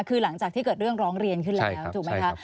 คือหลังจากที่เกิดเรื่องร้องเรียนขึ้นแล้วถูกไหมคะ